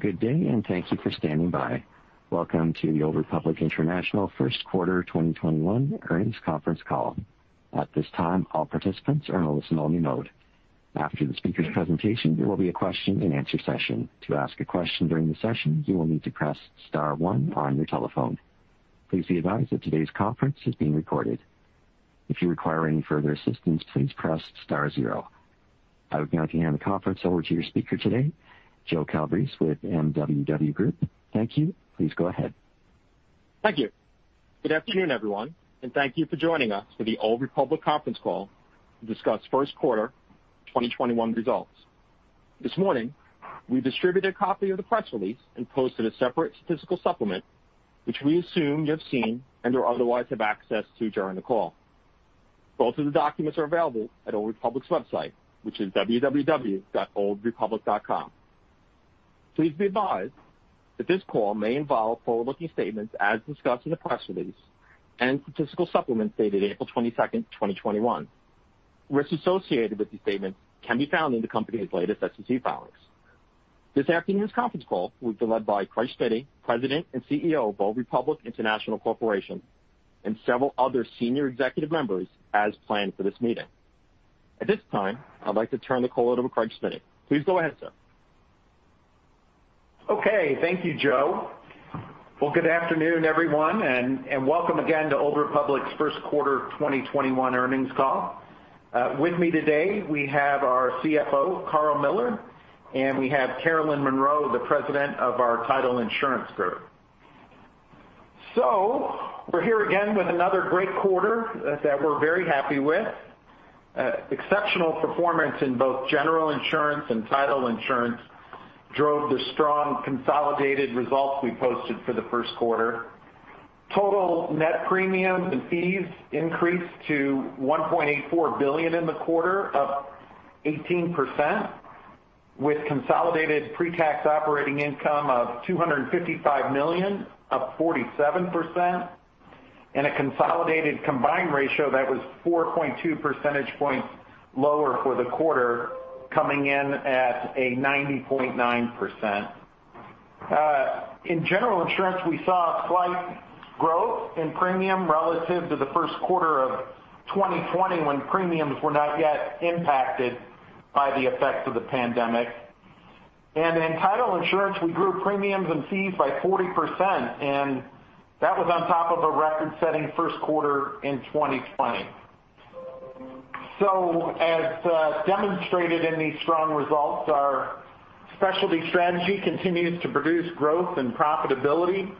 Good day, and thank you for standing by. Welcome to the Old Republic International first quarter 2021 earnings conference call. At this time, all participants are in a listen-only mode. After the speaker's presentation, there will be a question-and-answer session. To ask a question during the session, you will need to press star one on your telephone. Please be advised that today's conference is being recorded. If you require any further assistance, please press star zero. I would now like to hand the conference over to your speaker today, Joe Calabrese with MWW Group. Thank you. Please go ahead. Thank you. Good afternoon, everyone, and thank you for joining us for the Old Republic conference call to discuss first-quarter 2021 results. This morning, we distributed a copy of the press release and posted a separate statistical supplement, which we assume you have seen and/or otherwise have access to during the call. Both of the documents are available at Old Republic's website, which is www.oldrepublic.com. Please be advised that this call may involve forward-looking statements as discussed in the press release and statistical supplement dated April 22nd, 2021. Risks associated with these statements can be found in the company's latest SEC filings. This afternoon's conference call will be led by Craig Smiddy, President and Chief Executive Officer of Old Republic International Corporation, and several other senior executive members as planned for this meeting. At this time, I'd like to turn the call over to Craig Smiddy. Please go ahead, sir. Okay. Thank you, Joe. Well, good afternoon, everyone, and welcome again to Old Republic's first-quarter 2021 earnings call. With me today, we have our CFO, Karl Mueller, and we have Carolyn Monroe, the President of our Title Insurance group. We're here again with another great quarter that we're very happy with. Exceptional performance in both General Insurance and Title Insurance drove the strong consolidated results we posted for the first quarter. Total net premiums and fees increased to $1.84 billion in the quarter, up 18%, with consolidated pre-tax operating income of $255 million, up 47%, and a consolidated combined ratio that was 4.2 percentage points lower for the quarter, coming in at a 90.9%. In General Insurance, we saw a slight growth in premium relative to the first quarter of 2020, when premiums were not yet impacted by the effects of the pandemic. In Title Insurance, we grew premiums and fees by 40%, and that was on top of a record-setting first quarter in 2020. As demonstrated in these strong results, our specialty strategy continues to produce growth and profitability,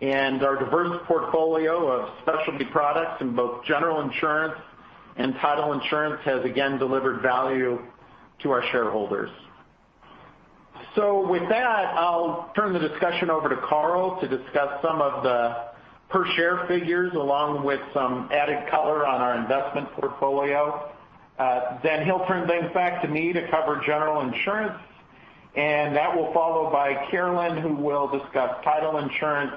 and our diverse portfolio of specialty products in both General Insurance and Title Insurance has again delivered value to our shareholders. With that, I'll turn the discussion over to Karl to discuss some of the per-share figures, along with some added color on our investment portfolio. He'll turn things back to me to cover General Insurance, and that will be followed by Carolyn, who will discuss Title Insurance,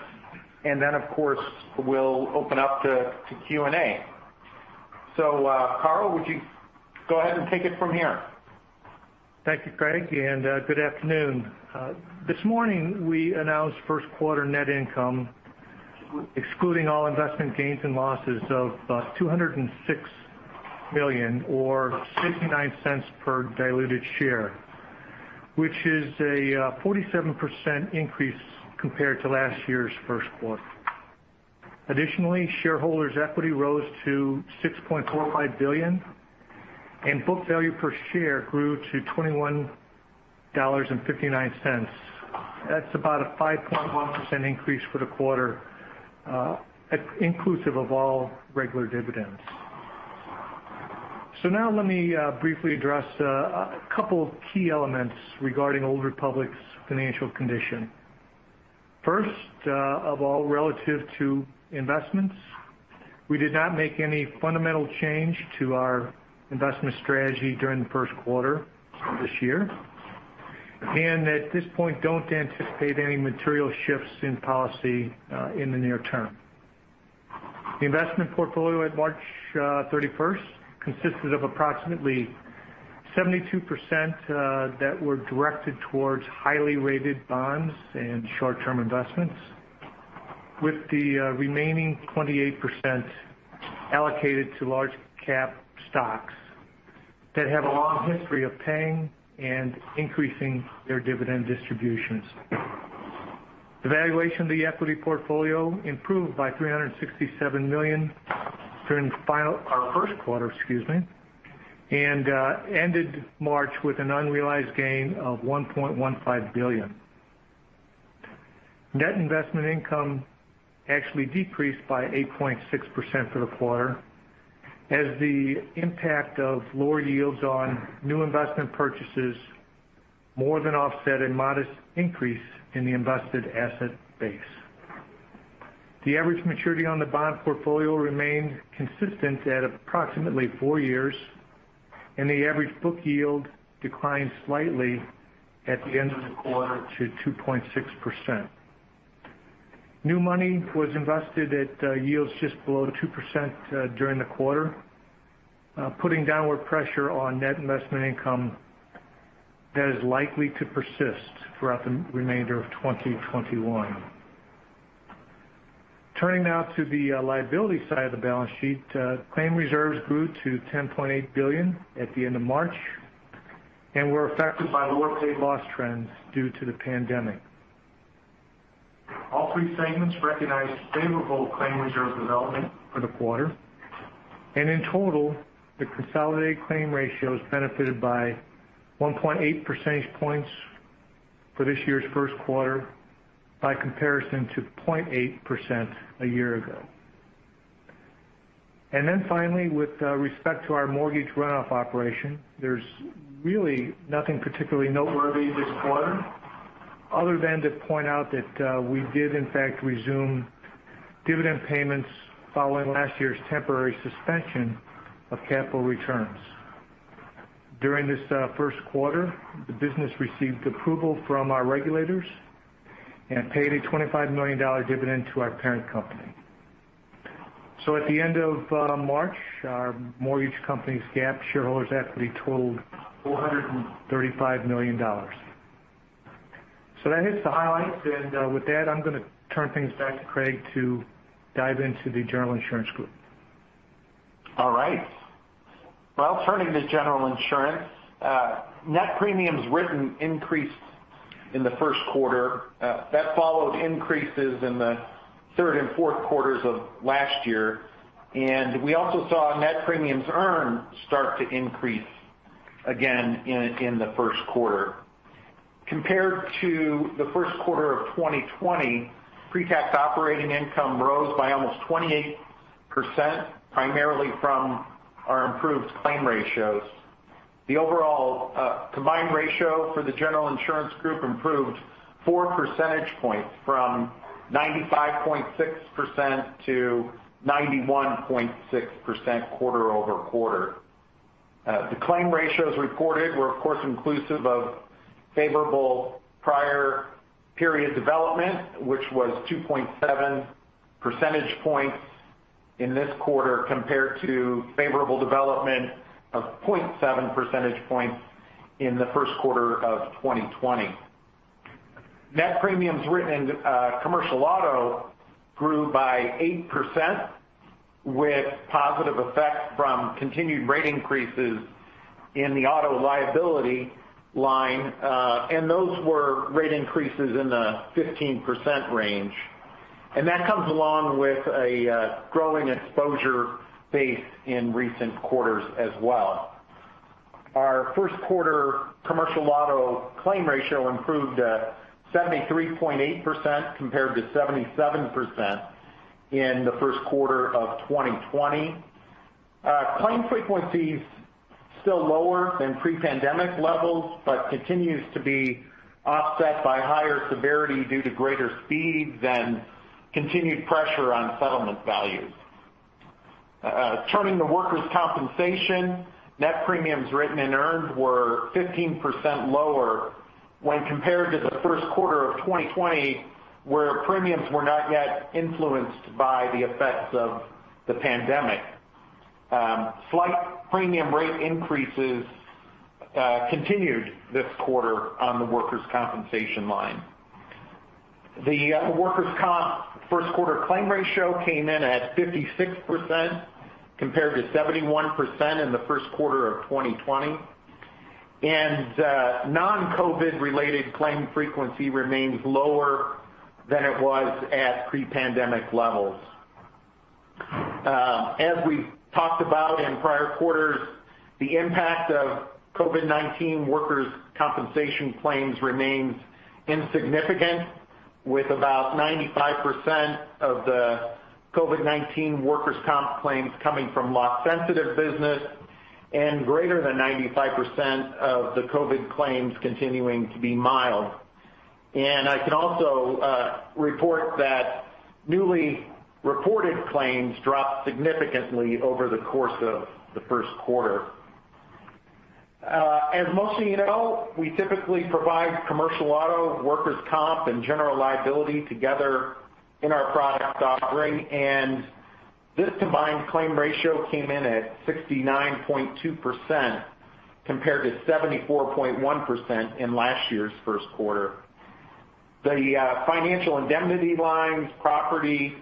and then, of course, we'll open up to Q&A. Karl, would you go ahead and take it from here? Thank you, Craig. Good afternoon. This morning, we announced first-quarter net income, excluding all investment gains and losses, of $206 million or $0.69 per diluted share, which is a 47% increase compared to last year's first quarter. Additionally, shareholders' equity rose to $6.45 billion, and book value per share grew to $21.59. That's about a 5.1% increase for the quarter, inclusive of all regular dividends. Now let me briefly address a couple of key elements regarding Old Republic's financial condition. First of all, relative to investments, we did not make any fundamental change to our investment strategy during the first quarter of this year. At this point, don't anticipate any material shifts in policy in the near term. The investment portfolio at March 31st consisted of approximately 72% that were directed towards highly rated bonds and short-term investments, with the remaining 28% allocated to large-cap stocks that have a long history of paying and increasing their dividend distributions. The valuation of the equity portfolio improved by $367 million during the first quarter, and ended March with an unrealized gain of $1.15 billion. Net investment income actually decreased by 8.6% for the quarter as the impact of lower yields on new investment purchases more than offset a modest increase in the invested asset base. The average maturity on the bond portfolio remained consistent at approximately four years, and the average book yield declined slightly at the end of the quarter to 2.6%. New money was invested at yields just below 2% during the quarter, putting downward pressure on net investment income that is likely to persist throughout the remainder of 2021. Turning now to the liability side of the balance sheet, claim reserves grew to $10.8 billion at the end of March and were affected by lower paid loss trends due to the pandemic. All three segments recognized favorable claim reserve development for the quarter, and in total, the consolidated claim ratios benefited by 1.8 percentage points for this year's first quarter by comparison to 0.8% a year ago. Finally, with respect to our mortgage runoff operation, there's really nothing particularly noteworthy this quarter other than to point out that we did in fact resume dividend payments following last year's temporary suspension of capital returns. During this first quarter, the business received approval from our regulators and paid a $25 million dividend to our parent company. At the end of March, our mortgage company's GAAP shareholders' equity totaled $435 million. That hits the highlights, and with that, I'm going to turn things back to Craig to dive into the General Insurance group. All right. Well, turning to General Insurance, net premiums written increased in the first quarter. That followed increases in the third and fourth quarters of last year. We also saw net premiums earned start to increase again in the first quarter. Compared to the first quarter of 2020, pre-tax operating income rose by almost 28%, primarily from our improved claim ratios. The overall combined ratio for the General Insurance group improved 4 percentage points from 95.6% to 91.6% quarter-over-quarter. The claim ratios reported were of course inclusive of favorable prior period development, which was 2.7 percentage points in this quarter compared to favorable development of 0.7 percentage points in the first quarter of 2020. Net premiums written in commercial auto grew by 8% with positive effects from continued rate increases in the auto liability line. Those were rate increases in the 15% range. That comes along with a growing exposure base in recent quarters as well. Our first-quarter commercial auto claim ratio improved to 73.8% compared to 77% in the first quarter of 2020. Claim frequency is still lower than pre-pandemic levels, but continues to be offset by higher severity due to greater speeds and continued pressure on settlement values. Turning to workers' compensation, net premiums written and earned were 15% lower when compared to the first quarter of 2020, where premiums were not yet influenced by the effects of the pandemic. Slight premium rate increases continued this quarter on the workers' compensation line. The workers' comp first-quarter claim ratio came in at 56% compared to 71% in the first quarter of 2020, and non-COVID-related claim frequency remains lower than it was at pre-pandemic levels. As we talked about in prior quarters, the impact of COVID-19 workers' comp claims remains insignificant with about 95% of the COVID-19 workers' comp claims coming from loss-sensitive business and greater than 95% of the COVID claims continuing to be mild. I can also report that newly reported claims dropped significantly over the course of the first quarter. As most of you know, we typically provide commercial auto, workers' comp, and general liability together in our product offering, and this combined claim ratio came in at 69.2% compared to 74.1% in last year's first quarter. The financial indemnity lines, property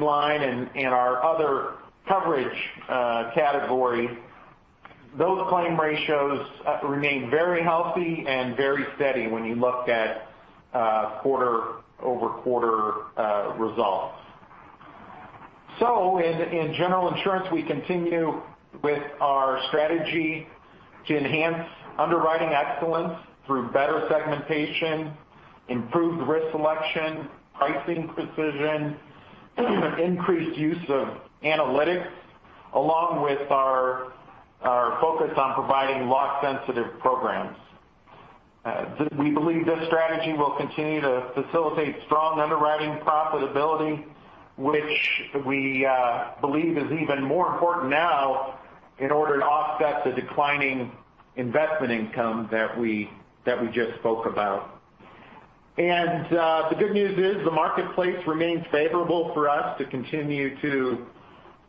line, and our other coverage category, those claim ratios remain very healthy and very steady when you look at quarter-over-quarter results. In General Insurance, we continue with our strategy to enhance underwriting excellence through better segmentation, improved risk selection, pricing precision, increased use of analytics, along with our focus on providing loss-sensitive programs. We believe this strategy will continue to facilitate strong underwriting profitability, which we believe is even more important now in order to offset the declining investment income that we just spoke about. The good news is the marketplace remains favorable for us to continue to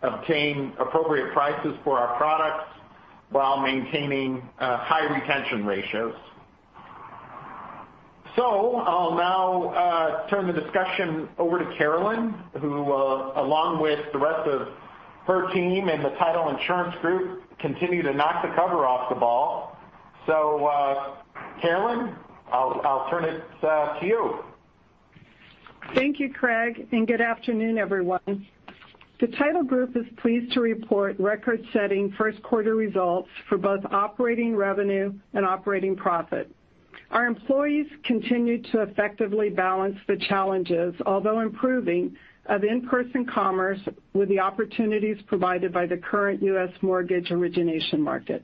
obtain appropriate prices for our products while maintaining high retention ratios. I'll now turn the discussion over to Carolyn, who, along with the rest of her team and the Title Insurance group, continue to knock the cover off the ball. Carolyn, I'll turn it to you. Thank you, Craig, and good afternoon, everyone. The Title group is pleased to report record-setting first-quarter results for both operating revenue and operating profit. Our employees continued to effectively balance the challenges, although improving, of in-person commerce with the opportunities provided by the current U.S. mortgage origination market.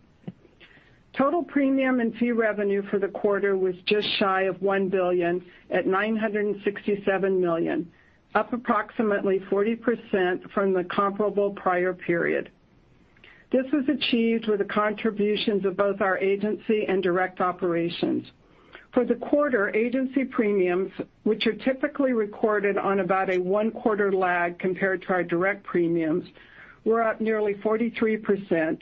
Total premium and fee revenue for the quarter was just shy of $1 billion at $967 million, up approximately 40% from the comparable prior period. This was achieved with the contributions of both our agency and direct operations. For the quarter, agency premiums, which are typically recorded on about a one-quarter lag compared to our direct premiums, were up nearly 43%,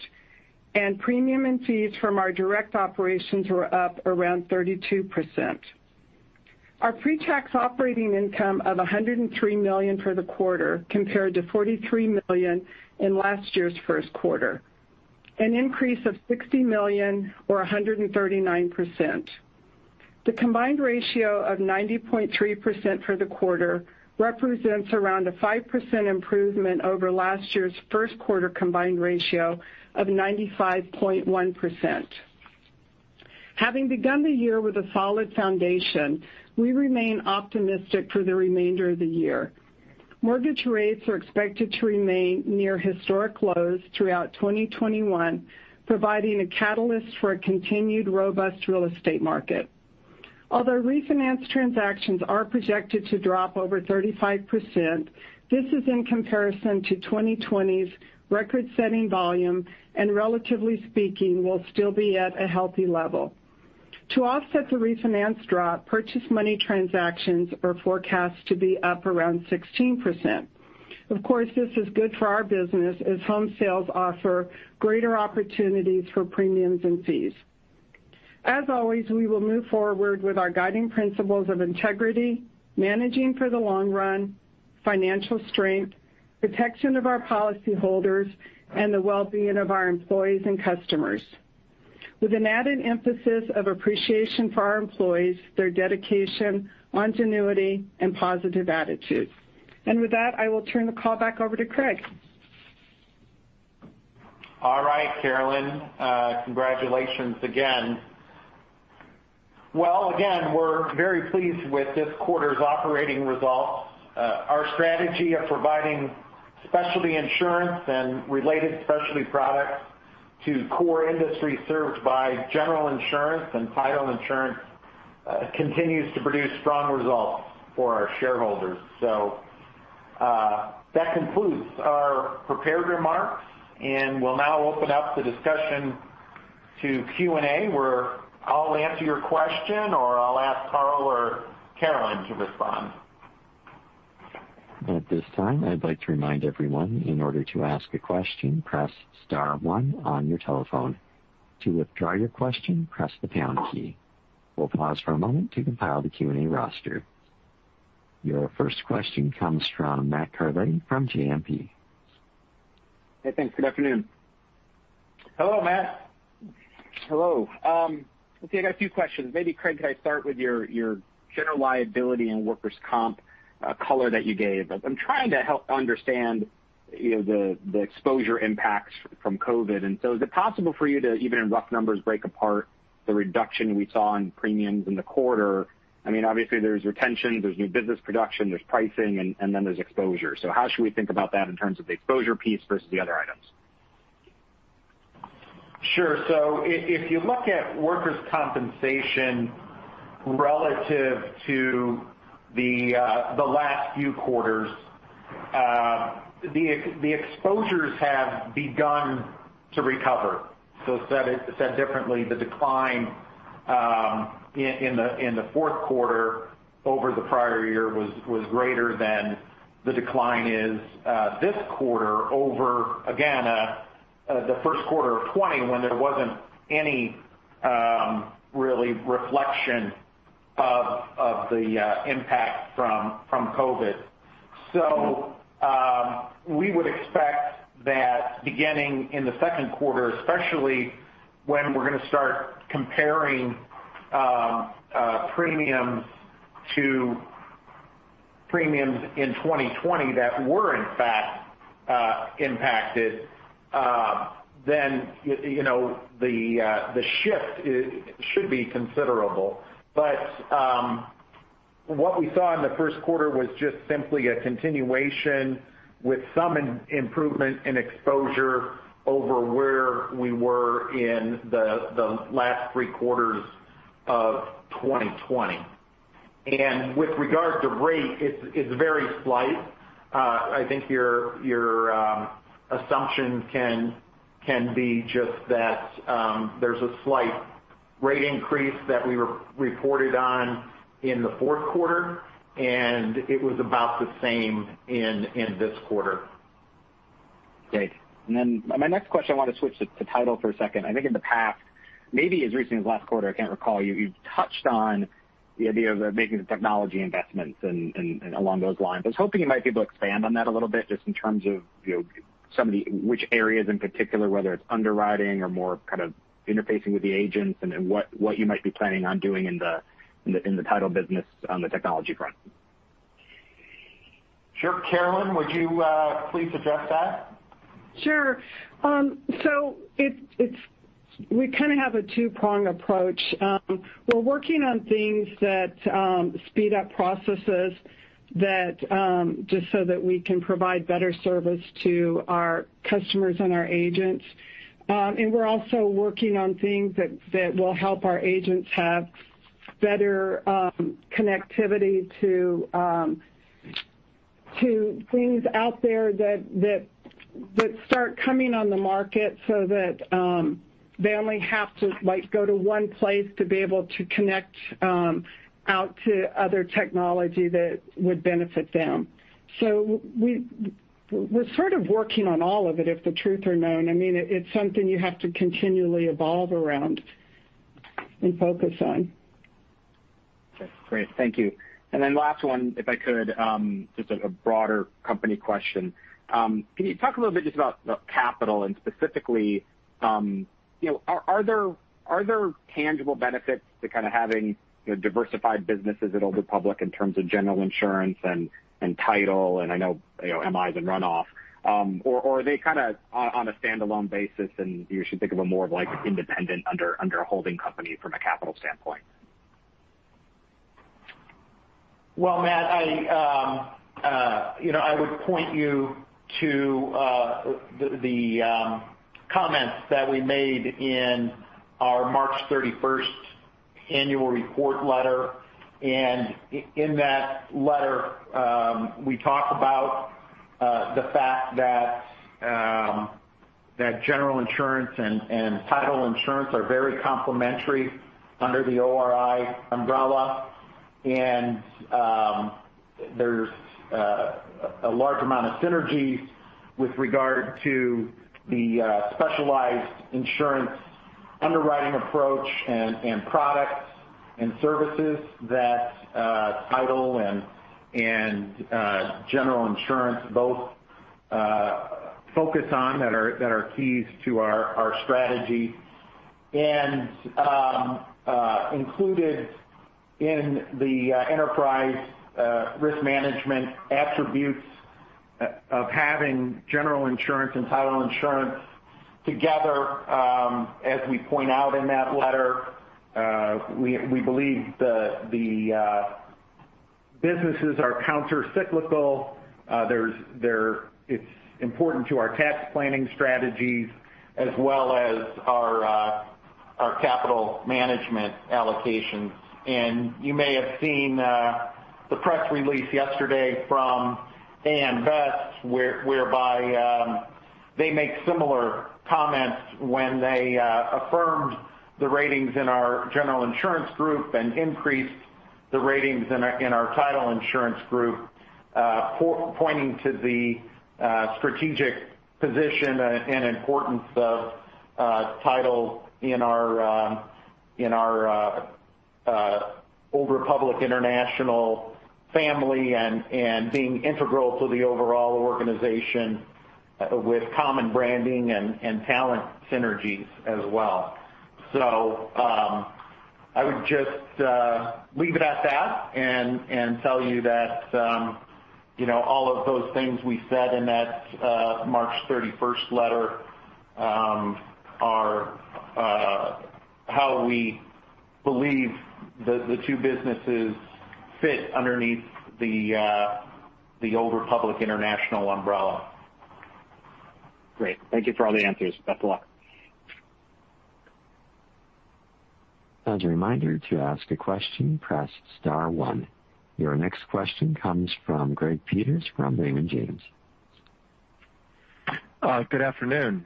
and premium and fees from our direct operations were up around 32%. Our pre-tax operating income of $103 million for the quarter compared to $43 million in last year's first quarter, an increase of $60 million or 139%. The combined ratio of 90.3% for the quarter represents around a 5% improvement over last year's first quarter combined ratio of 95.1%. Having begun the year with a solid foundation, we remain optimistic for the remainder of the year. Mortgage rates are expected to remain near historic lows throughout 2021, providing a catalyst for a continued robust real estate market. Although refinance transactions are projected to drop over 35%, this is in comparison to 2020's record-setting volume, and relatively speaking, will still be at a healthy level. To offset the refinance drop, purchase money transactions are forecast to be up around 16%. Of course, this is good for our business as home sales offer greater opportunities for premiums and fees. As always, we will move forward with our guiding principles of integrity, managing for the long run, financial strength, protection of our policyholders, and the well-being of our employees and customers with an added emphasis of appreciation for our employees, their dedication, ingenuity, and positive attitude. With that, I will turn the call back over to Craig. All right, Carolyn. Congratulations again. Well, again, we're very pleased with this quarter's operating results. Our strategy of providing specialty insurance and related specialty products to core industries served by General Insurance group and Title Insurance group continues to produce strong results for our shareholders. That concludes our prepared remarks, and we'll now open up the discussion to Q&A, where I'll answer your question, or I'll ask Karl or Carolyn to respond. At this time, I'd like to remind everyone in order to ask a question, press star one on your telephone. To withdraw your question, press the pound key. We'll pause for a moment to compile the Q&A roster. Your first question comes from Matt Carletti from JMP. Hey, thanks. Good afternoon. Hello, Matt. Hello. Let's see. I got a few questions. Maybe, Craig, could I start with your general liability and workers' comp color that you gave? I'm trying to help understand the exposure impacts from COVID. Is it possible for you to, even in rough numbers, break apart the reduction we saw in premiums in the quarter? Obviously, there's retention, there's new business production, there's pricing, and then there's exposure. How should we think about that in terms of the exposure piece versus the other items? Sure. If you look at workers' compensation relative to the last few quarters, the exposures have begun to recover. Said differently, the decline in the fourth quarter over the prior year was greater than the decline is this quarter over, again, the first quarter of 2020, when there wasn't any really reflection of the impact from COVID. We would expect that beginning in the second quarter, especially when we're going to start comparing premiums to premiums in 2020 that were in fact impacted, then the shift should be considerable. What we saw in the first quarter was just simply a continuation with some improvement in exposure over where we were in the last three quarters of 2020. With regard to rate, it's very slight. I think your assumption can be just that there's a slight rate increase that we reported on in the fourth quarter, and it was about the same in this quarter. Great. My next question, I want to switch to title for a second. I think in the past, maybe as recently as last quarter, I can't recall, you touched on the idea of making the technology investments and along those lines. I was hoping you might be able to expand on that a little bit, just in terms of which areas in particular, whether it's underwriting or more kind of interfacing with the agents and what you might be planning on doing in the title business on the technology front. Sure. Carolyn, would you please address that? Sure. We kind of have a two-prong approach. We're working on things that speed up processes, just so that we can provide better service to our customers and our agents. We're also working on things that will help our agents have better connectivity to things out there that start coming on the market, so that they only have to go to one place to be able to connect out to other technology that would benefit them. We're sort of working on all of it, if the truth are known. It's something you have to continually evolve around and focus on. Okay, great. Thank you. Last one, if I could, just a broader company question. Can you talk a little bit just about capital and specifically, are there tangible benefits to kind of having diversified businesses at Old Republic in terms of general insurance and title, and I know MIs and runoff, or are they kind of on a standalone basis and you should think of them more of like independent under a holding company from a capital standpoint? Well, Matt, I would point you to the comments that we made in our March 31st annual report letter. In that letter, we talked about the fact that General Insurance and Title Insurance are very complementary under the ORI umbrella. There's a large amount of synergies with regard to the specialized insurance underwriting approach and products and services that Title Insurance and General Insurance both focus on that are keys to our strategy. Included in the enterprise risk management attributes of having General Insurance and Title Insurance together, as we point out in that letter, we believe the businesses are countercyclical. It's important to our tax planning strategies as well as our capital management allocations. You may have seen the press release yesterday from AM Best, whereby they make similar comments when they affirmed the ratings in our General Insurance group and increased the ratings in our Title Insurance group, pointing to the strategic position and importance of title in our Old Republic International family and being integral to the overall organization with common branding and talent synergies as well. I would just leave it at that and tell you that all of those things we said in that March 31st letter are how we believe the two businesses fit underneath the Old Republic International umbrella. Great. Thank you for all the answers. Best of luck. As a reminder, to ask a question, press star one. Your next question comes from Greg Peters from Raymond James. Good afternoon.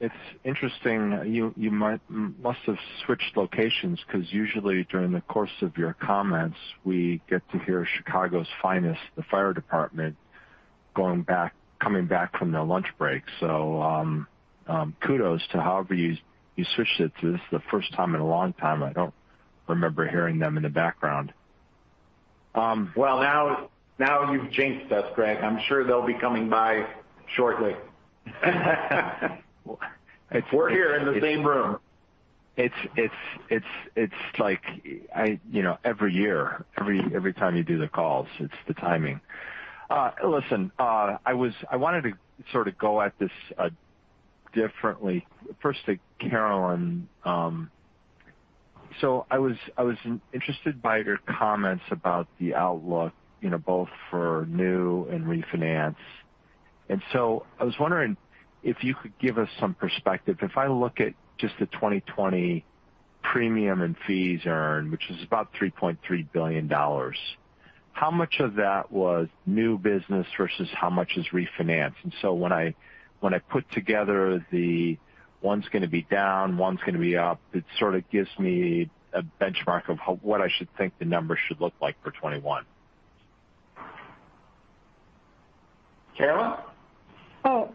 It's interesting. You must have switched locations because usually during the course of your comments, we get to hear Chicago's finest, the fire department, coming back from their lunch break. Kudos to however you switched it because this is the first time in a long time I don't remember hearing them in the background. Well, now you've jinxed us, Greg. I'm sure they'll be coming by shortly. We're here in the same room. It's like every year, every time you do the calls, it's the timing. Listen, I wanted to sort of go at this differently. First to Carolyn. I was interested by your comments about the outlook both for new and refinance. I was wondering if you could give us some perspective. If I look at just the 2020 premium and fees earned, which is about $3.3 billion, how much of that was new business versus how much is refinance? When I put together the one's going to be down, one's going to be up, it sort of gives me a benchmark of what I should think the numbers should look like for 2021. Carolyn? Oh,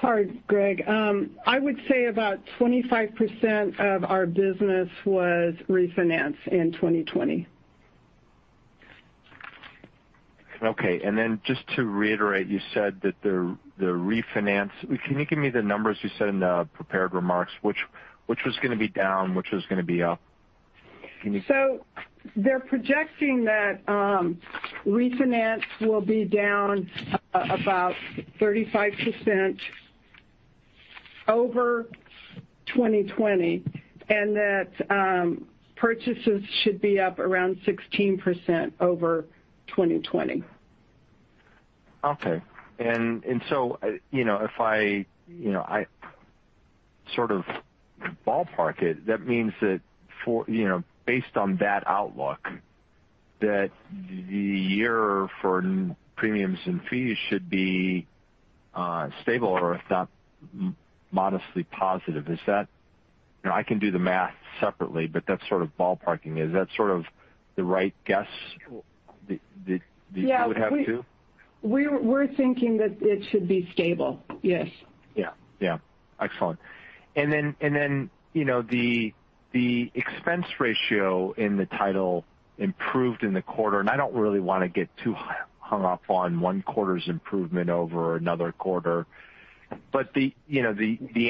sorry, Greg. I would say about 25% of our business was refinance in 2020. Okay. Then just to reiterate, can you give me the numbers you said in the prepared remarks, which was going to be down, which was going to be up? Can you? They're projecting that refinance will be down about 35% over 2020, and that purchases should be up around 16% over 2020. Okay. If I sort of ballpark it, that means that based on that outlook, that the year for premiums and fees should be stable or, if not, modestly positive. I can do the math separately, that's sort of ballparking. Is that sort of the right guess that you would have, too? We're thinking that it should be stable. Yes. Yeah. Excellent. The expense ratio in the title improved in the quarter. I don't really want to get too hung up on one quarter's improvement over another quarter. The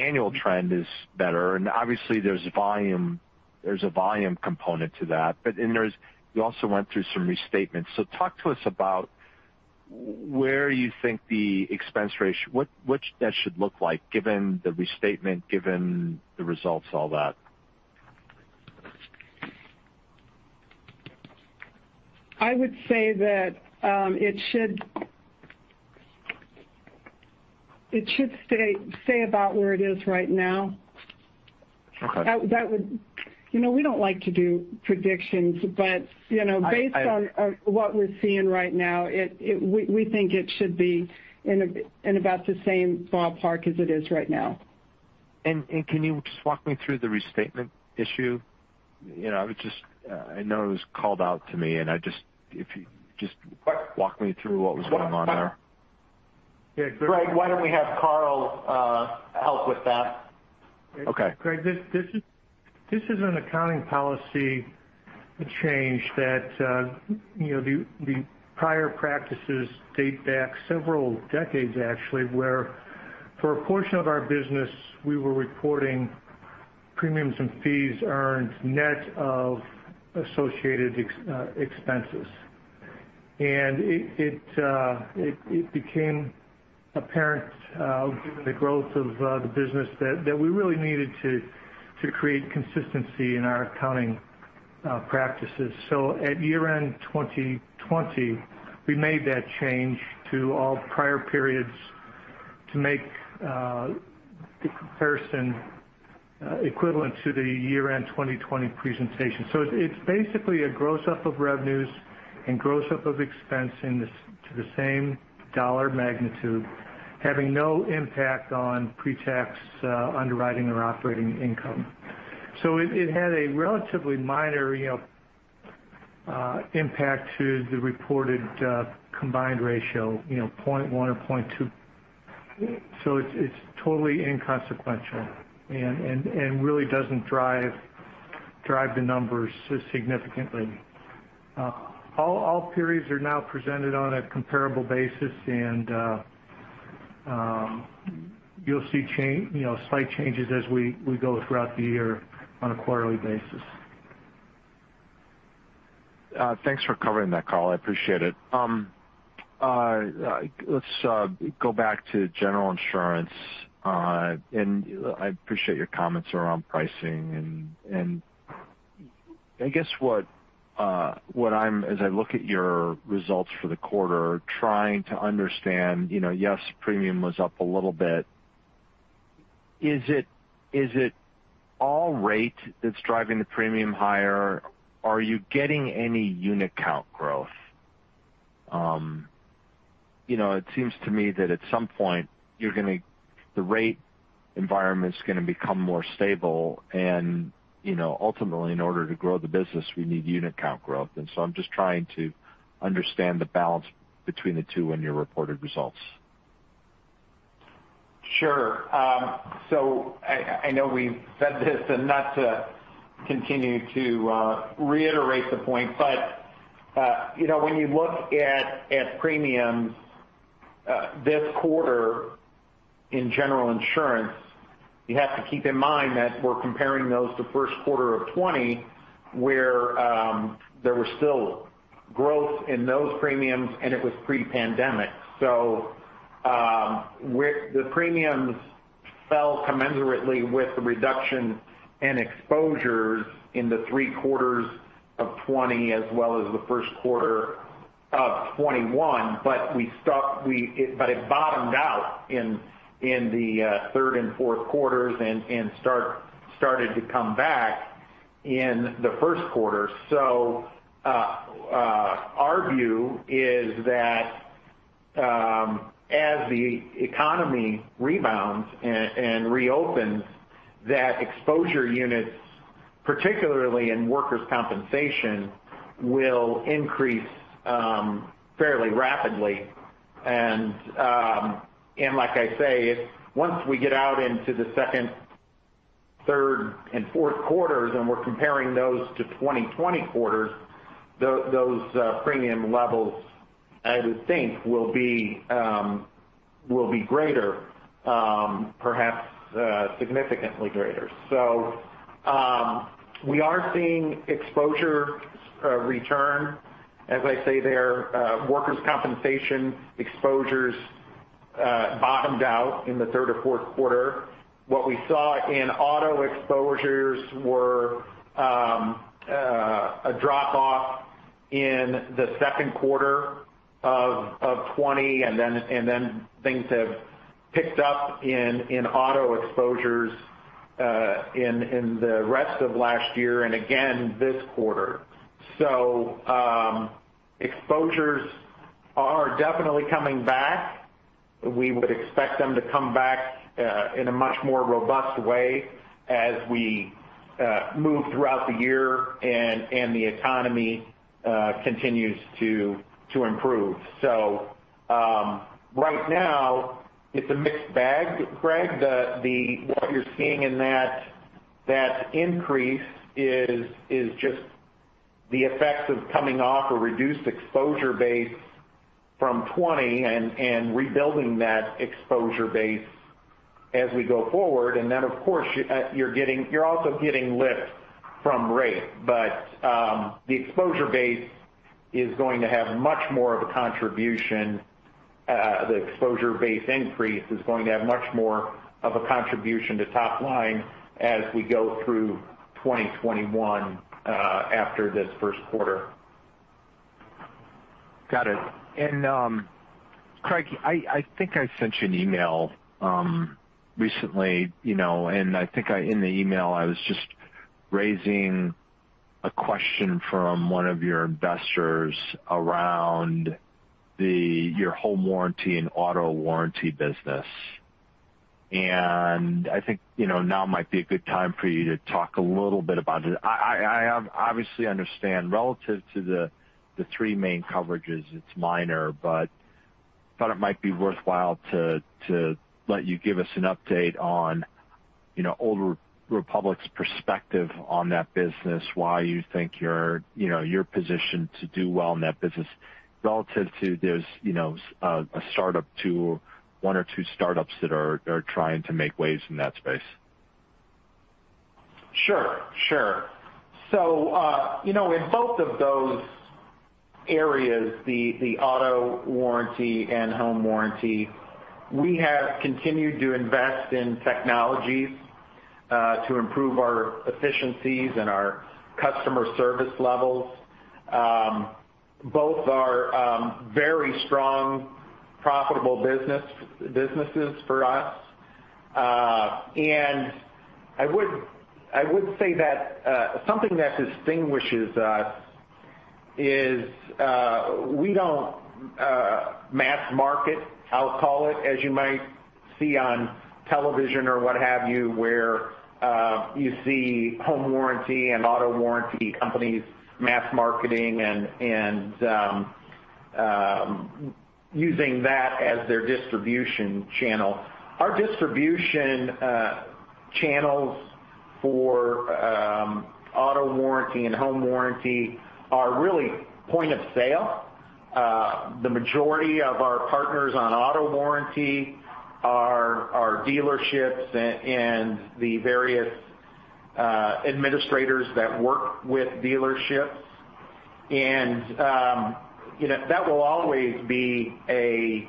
annual trend is better, and obviously there's a volume component to that. You also went through some restatements. Talk to us about where you think the expense ratio- what that should look like given the restatement, given the results, all that. I would say that it should stay about where it is right now. Okay. We don't like to do predictions- I- -but based on what we're seeing right now, we think it should be in about the same ballpark as it is right now. Can you just walk me through the restatement issue? I know it was called out to me, and if you just walk me through what was going on there. Greg, why don't we have Karl help with that? Okay. Greg, this is an accounting policy change that the prior practices date back several decades, actually, where for a portion of our business, we were reporting premiums and fees earned net of associated expenses. It became apparent, given the growth of the business, that we really needed to create consistency in our accounting practices. At year-end 2020, we made that change to all prior periods to make the comparison equivalent to the year-end 2020 presentation. It's basically a gross-up of revenues and gross-up of expense to the same dollar magnitude, having no impact on pre-tax underwriting or operating income. It had a relatively minor impact to the reported combined ratio, 0.1 or 0.2. It's totally inconsequential and really doesn't drive the numbers significantly. All periods are now presented on a comparable basis, and you'll see slight changes as we go throughout the year on a quarterly basis. Thanks for covering that, Karl. I appreciate it. Let's go back to General Insurance, and I appreciate your comments around pricing, and I guess what I'm, as I look at your results for the quarter, trying to understand, yes, premium was up a little bit. Is it all rate that's driving the premium higher? Are you getting any unit count growth? It seems to me that at some point, the rate environment's going to become more stable and ultimately, in order to grow the business, we need unit count growth. So I'm just trying to understand the balance between the two in your reported results. Sure. I know we've said this and not to continue to reiterate the point, but when you look at premiums this quarter in General Insurance, you have to keep in mind that we're comparing those to first quarter of 2020, where there was still growth in those premiums, and it was pre-pandemic. The premiums fell commensurately with the reduction in exposures in the three quarters of 2020, as well as the first quarter of 2021. It bottomed out in the third and fourth quarters, and started to come back in the first quarter. Our view is that as the economy rebounds and reopens, that exposure units, particularly in workers' compensation, will increase fairly rapidly. Like I say, once we get out into the second, third, and fourth quarters, and we're comparing those to 2020 quarters, those premium levels, I would think, will be greater, perhaps significantly greater. We are seeing exposure return. As I say there, workers' compensation exposures bottomed out in the third or fourth quarter. What we saw in auto exposures were a drop-off in the second quarter of 2020, things have picked up in auto exposures in the rest of last year, and again this quarter. Exposures are definitely coming back. We would expect them to come back in a much more robust way as we move throughout the year and the economy continues to improve. Right now, it's a mixed bag, Greg. What you're seeing in that increase is just the effects of coming off a reduced exposure base from 2020 and rebuilding that exposure base as we go forward. Then, of course, you're also getting lift from rate. The exposure base increase is going to have much more of a contribution to top line as we go through 2021 after this first quarter. Craig, I think I sent you an email recently, and I think in the email, I was just raising a question from one of your investors around your home warranty and auto warranty business. I think now might be a good time for you to talk a little bit about it. I obviously understand relative to the three main coverages, it's minor, but thought it might be worthwhile to let you give us an update on Old Republic's perspective on that business, why you think you're positioned to do well in that business relative to one or two startups that are trying to make waves in that space. Sure. In both of those areas, the auto warranty and home warranty, we have continued to invest in technologies to improve our efficiencies and our customer service levels. Both are very strong, profitable businesses for us. I would say that something that distinguishes us is we don't mass market, I'll call it, as you might see on television or what have you, where you see home warranty and auto warranty companies mass marketing and using that as their distribution channel. Our distribution channels for auto warranty and home warranty are really point of sale. The majority of our partners on auto warranty are dealerships and the various administrators that work with dealerships. That will always be an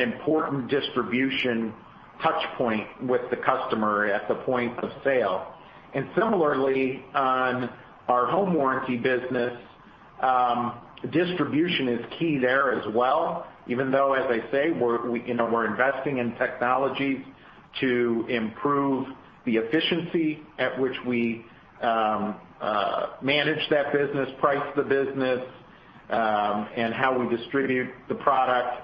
important distribution touchpoint with the customer at the point of sale. Similarly, on our home warranty business, distribution is key there as well, even though, as I say, we're investing in technology to improve the efficiency at which we manage that business, price the business, and how we distribute the product.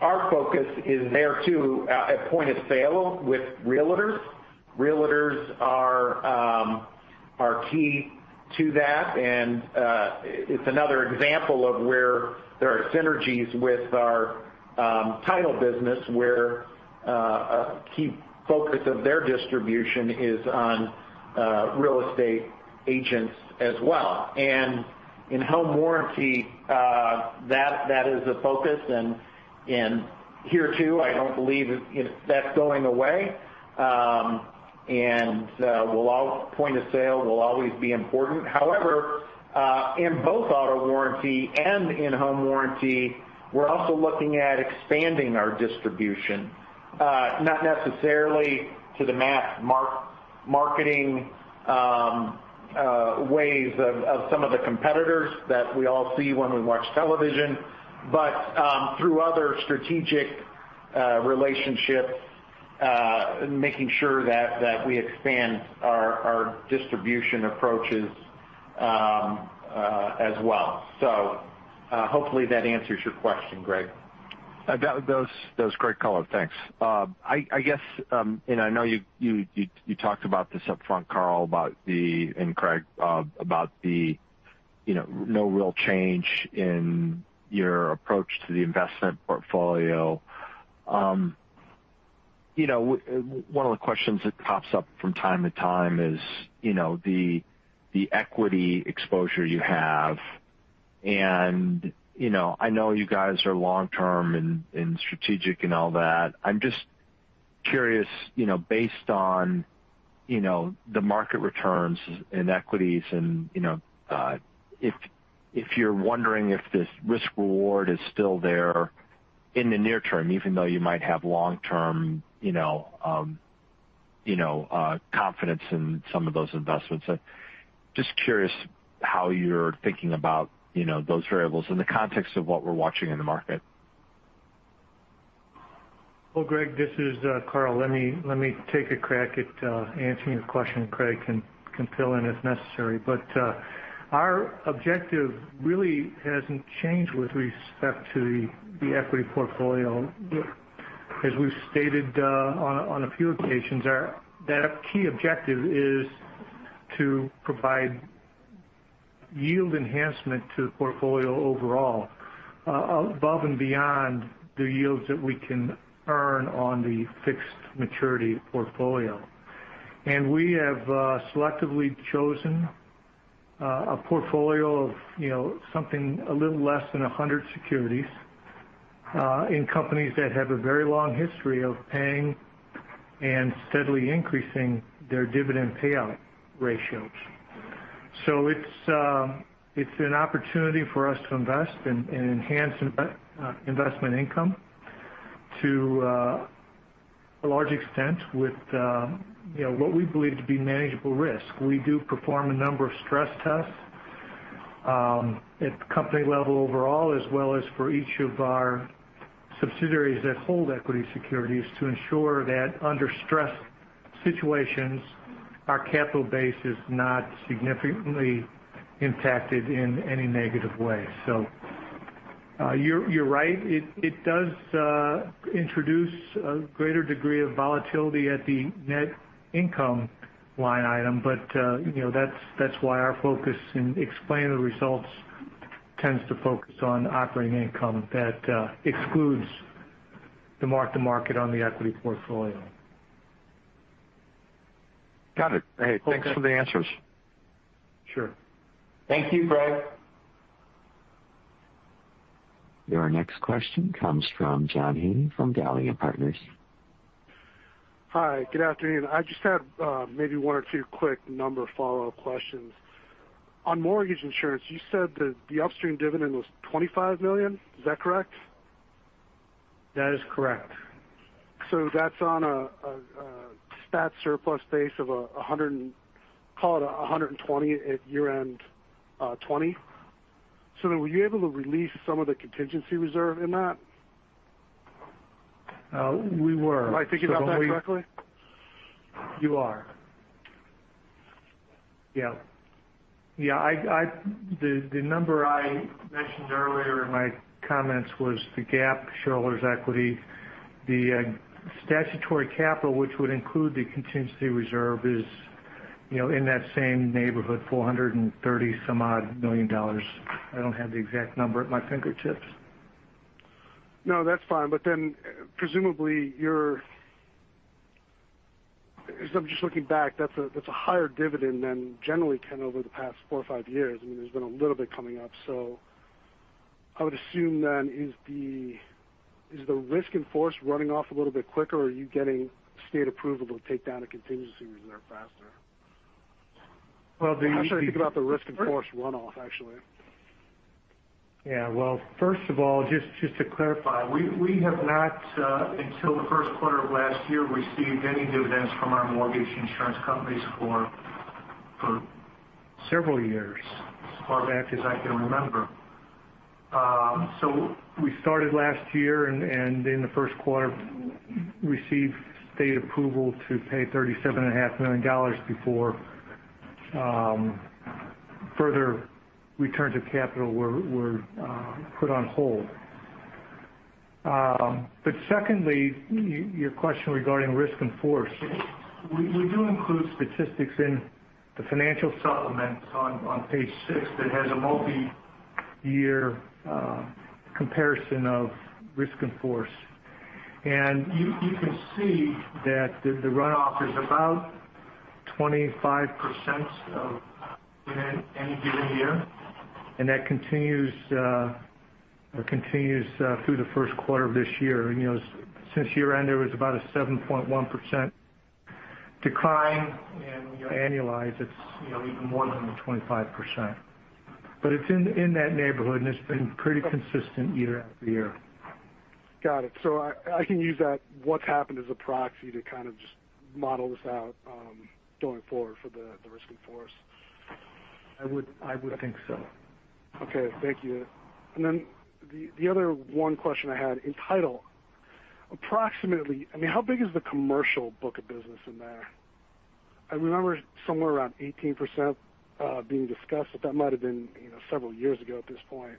Our focus is there, too, at point of sale with realtors. Realtors are key to that, and it's another example of where there are synergies with our title business, where a key focus of their distribution is on real estate agents as well. In-home warranty, that is a focus. Here, too, I don't believe that's going away. Point-of-sale will always be important. However, in both auto warranty and in-home warranty, we're also looking at expanding our distribution. Not necessarily to the mass marketing ways of some of the competitors that we all see when we watch television, but through other strategic relationships, making sure that we expand our distribution approaches as well. Hopefully that answers your question, Greg. That was great color. Thanks. I know you talked about this upfront, Karl and Craig, about the no real change in your approach to the investment portfolio. One of the questions that pops up from time to time is the equity exposure you have. I know you guys are long-term and strategic and all that. I'm just curious, based on the market returns in equities, and if you're wondering if this risk/reward is still there in the near term, even though you might have long-term confidence in some of those investments. Just curious how you're thinking about those variables in the context of what we're watching in the market. Greg, this is Karl. Let me take a crack at answering your question, and Craig can fill in if necessary. Our objective really hasn't changed with respect to the equity portfolio. As we've stated on a few occasions, our key objective is to provide yield enhancement to the portfolio overall above and beyond the yields that we can earn on the fixed maturity portfolio. We have selectively chosen a portfolio of something a little less than 100 securities in companies that have a very long history of paying and steadily increasing their dividend payout ratios. It's an opportunity for us to invest in enhanced investment income to a large extent with what we believe to be manageable risk. We do perform a number of stress tests at the company level overall, as well as for each of our subsidiaries that hold equity securities to ensure that under stress situations, our capital base is not significantly impacted in any negative way. You're right. It does introduce a greater degree of volatility at the net income line item. That's why our focus in explaining the results tends to focus on operating income that excludes the mark-to-market on the equity portfolio. Got it. Hey, thanks for the answers. Sure. Thank you, Greg. Your next question comes from John Heaney from Dahlia Partners. Hi, good afternoon. I just have maybe one or two quick number follow-up questions. On mortgage insurance, you said that the upstream dividend was $25 million. Is that correct? That is correct. That's on a stat surplus base of, call it $120 at year-end 2020. Were you able to release some of the contingency reserve in that? We were. Am I thinking about that correctly? You are. Yeah. The number I mentioned earlier in my comments was the GAAP shareholders' equity. The statutory capital, which would include the contingency reserve, is in that same neighborhood, $430 some odd million. I don't have the exact number at my fingertips. No, that's fine. Because I'm just looking back, that's a higher dividend than generally can over the past four or five years. I mean, there's been a little bit coming up. I would assume then is the risk in force running off a little bit quicker, or are you getting state approval to take down a contingency reserve faster? Well- I'm trying to think about the risk in force runoff, actually. Yeah. Well, first of all, just to clarify, we have not, until the first quarter of last year, received any dividends from our mortgage insurance companies for several years, as far back as I can remember. We started last year and in the first quarter, received state approval to pay $37.5 million before further returns of capital were put on hold. Secondly, your question regarding risk in force. We do include statistics in the financial supplements on page six that has a multi-year comparison of risk in force. You can see that the runoff is about 25% of premium any given year, and that continues through the first quarter of this year. Since year-end, there was about a 7.1% decline and annualized, it's even more than the 25%. It's in that neighborhood, and it's been pretty consistent year after year. Got it. I can use that, what's happened as a proxy to kind of just model this out, going forward for the risk in force. I would think so. Okay. Thank you. The other one question I had. In title, approximately, how big is the commercial book of business in there? I remember somewhere around 18% being discussed, but that might have been several years ago at this point.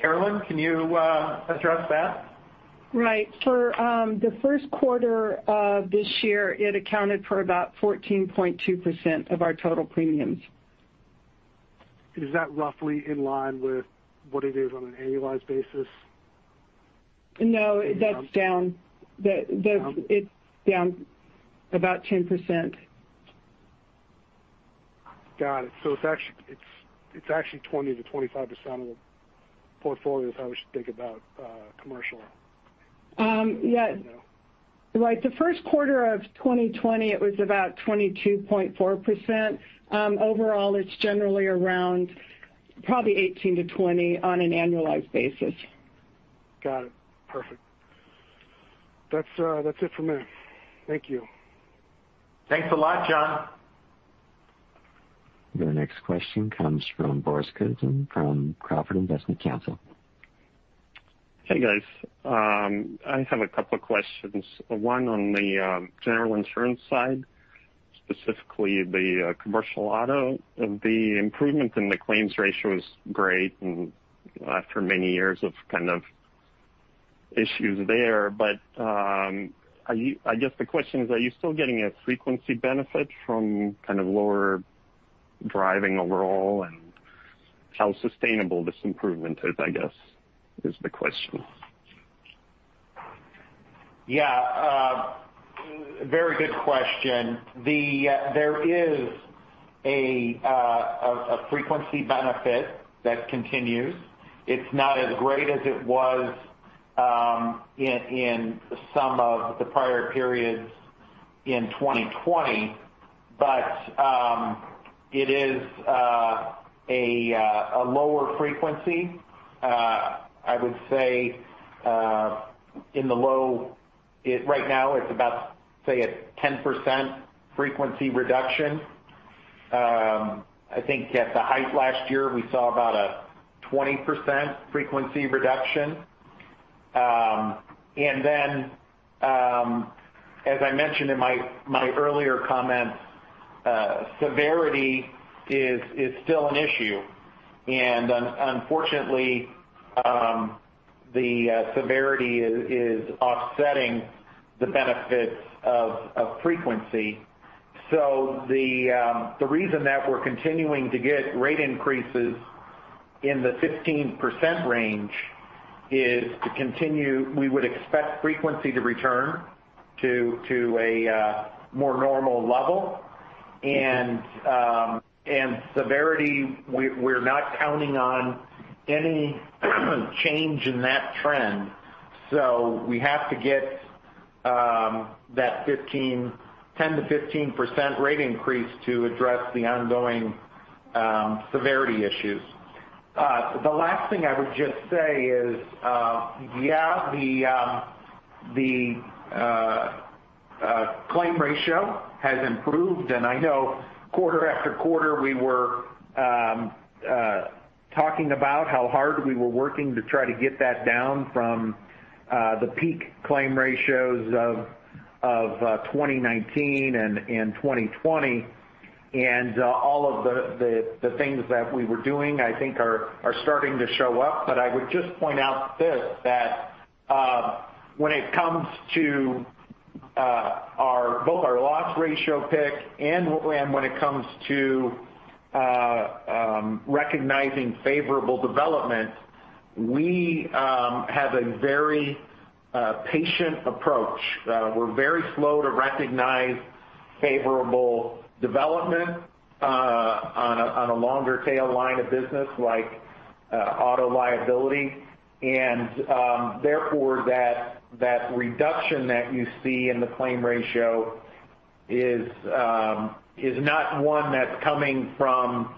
Carolyn, can you address that? Right. For the first quarter of this year, it accounted for about 14.2% of our total premiums. Is that roughly in line with what it is on an annualized basis? No, that's down. Down? It's down about 10%. Got it. It's actually 20%-25% of the portfolio is how we should think about commercial. Yes. Right. The first quarter of 2020, it was about 22.4%. Overall, it's generally around probably 18%-20% on an annualized basis. Got it. Perfect. That's it for me. Thank you. Thanks a lot, John. Your next question comes from Boris Kuzmin from Crawford Investment Counsel. Hey, guys. I have a couple of questions. One on the General Insurance side, specifically the commercial auto. The improvement in the claim ratio is great and after many years of kind of issues there, but, I guess the question is, are you still getting a frequency benefit from kind of lower driving overall? How sustainable this improvement is, I guess, is the question. Yeah. A very good question. There is a frequency benefit that continues. It's not as great as it was in some of the prior periods in 2020. It is a lower frequency. I would say, right now it's about, say, a 10% frequency reduction. I think at the height last year, we saw about a 20% frequency reduction. As I mentioned in my earlier comments, severity is still an issue. Unfortunately, the severity is offsetting the benefits of frequency. The reason that we're continuing to get rate increases in the 15% range is to continue- we would expect frequency to return to a more normal level. Severity, we're not counting on any change in that trend. We have to get that 10%-15% rate increase to address the ongoing severity issues. The last thing I would just say is, yeah, the claim ratio has improved, and I know quarter after quarter we were talking about how hard we were working to try to get that down from the peak claim ratios of 2019 and 2020. All of the things that we were doing, I think, are starting to show up. I would just point out this, that when it comes to both our loss ratio pick and when it comes to recognizing favorable developments, we have a very patient approach. We're very slow to recognize favorable development on a longer tail line of business like auto liability. Therefore, that reduction that you see in the claim ratio is not one that's coming from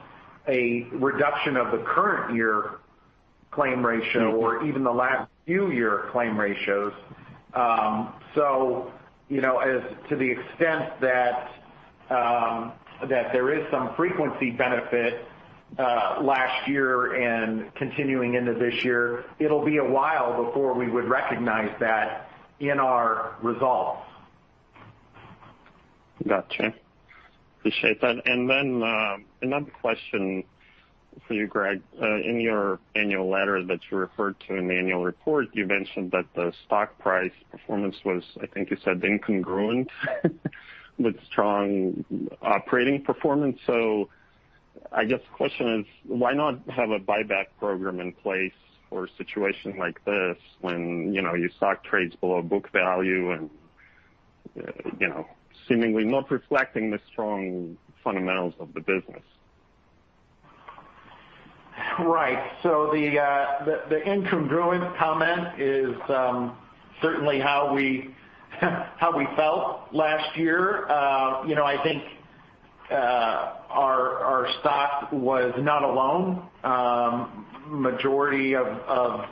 a reduction of the current year claim ratio or even the last few year claim ratios. To the extent that there is some frequency benefit, last year and continuing into this year, it'll be a while before we would recognize that in our results. Gotcha. Appreciate that. Another question for you, Craig. In your annual letter that you referred to in the annual report, you mentioned that the stock price performance was, I think you said, incongruent with strong operating performance. I guess the question is, why not have a buyback program in place for a situation like this when your stock trades below book value and seemingly not reflecting the strong fundamentals of the business? The incongruent comment is certainly how we felt last year. I think our stock was not alone. Majority of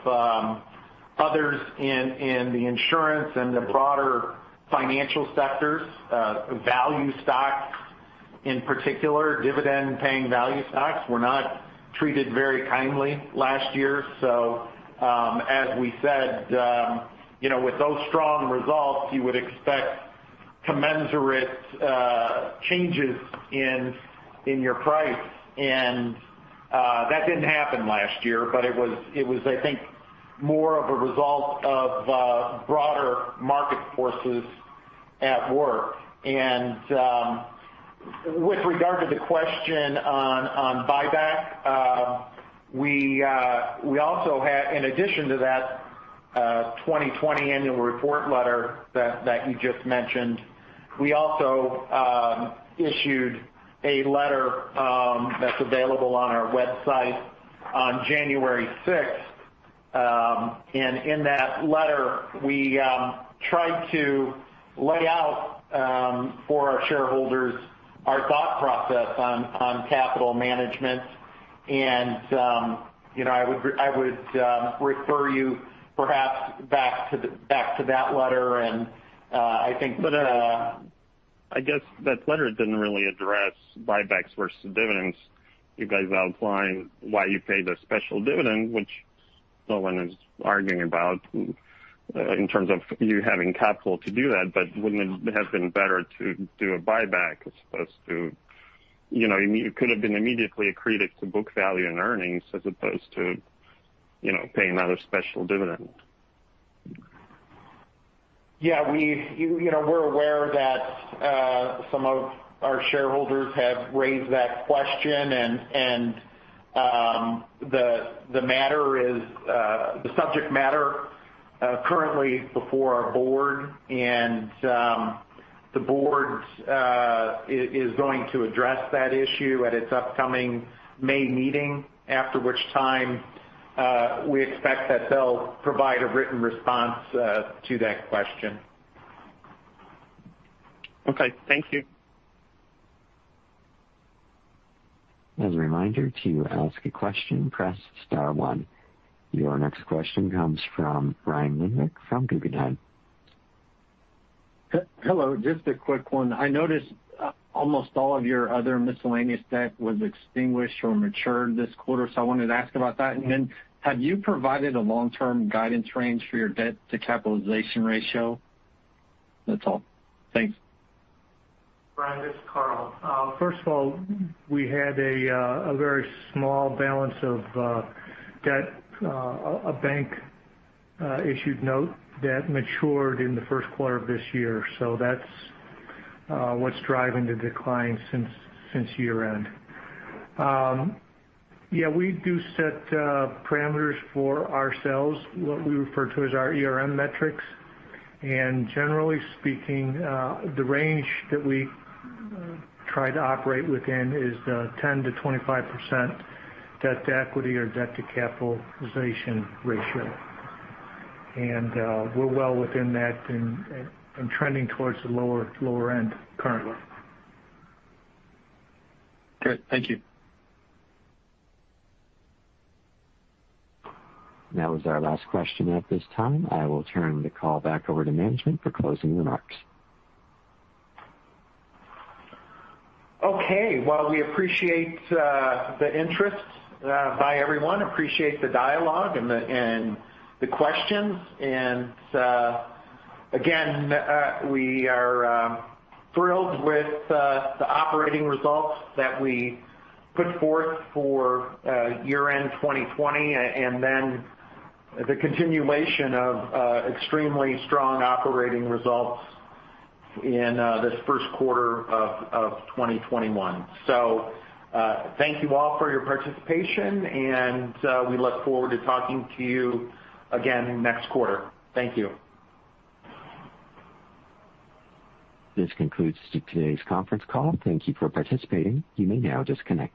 others in the insurance and the broader financial sectors, value stocks in particular, dividend-paying value stocks, were not treated very kindly last year. As we said, with those strong results, you would expect commensurate changes in your price, and that didn't happen last year. It was, I think, more of a result of broader market forces at work. With regard to the question on buyback, in addition to that 2020 annual report letter that you just mentioned, we also issued a letter that's available on our website on January 6th. In that letter, we tried to lay out for our shareholders our thought process on capital management, and I would refer you perhaps back to that letter. I guess that letter didn't really address buybacks versus dividends. You guys outlined why you paid a special dividend, which no one is arguing about in terms of you having capital to do that, but wouldn't it have been better to do a buyback as opposed to paying another special dividend? It could have been immediately accreted to book value and earnings. Yeah. We're aware that some of our shareholders have raised that question, and the subject matter currently before our board, and the board is going to address that issue at its upcoming May meeting, after which time we expect that they'll provide a written response to that question. Okay. Thank you. As a reminder, to ask a question, press star one. Your next question comes from Brian Lindbergh from Guggenheim. Hello. Just a quick one. I noticed almost all of your other miscellaneous debt was extinguished or matured this quarter, so I wanted to ask about that. Have you provided a long-term guidance range for your debt-to-capitalization ratio? That's all. Thanks. Brian, this is Karl. First of all, we had a very small balance of debt, a bank-issued note debt matured in the first quarter of this year. That's what's driving the decline since year-end. Yeah, we do set parameters for ourselves, what we refer to as our ERM metrics. Generally speaking, the range that we try to operate within is the 10%-25% debt to equity or debt-to-capitalization ratio. We're well within that and trending towards the lower end currently. Great. Thank you. That was our last question at this time. I will turn the call back over to management for closing remarks. Okay. Well, we appreciate the interest by everyone, appreciate the dialogue and the questions. Again, we are thrilled with the operating results that we put forth for year-end 2020, and then the continuation of extremely strong operating results in this first quarter of 2021. Thank you all for your participation, and we look forward to talking to you again next quarter. Thank you. This concludes today's conference call. Thank you for participating. You may now disconnect.